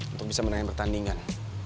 untuk bisa menang yang pertandingan